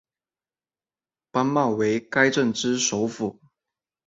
班茂为该镇之首府。